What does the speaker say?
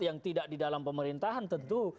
yang tidak di dalam pemerintahan tentu